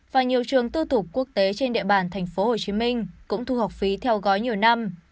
và nhiều trường tư thục quốc tế trên địa bàn tp hcm cũng thu học phí theo gói nhiều năm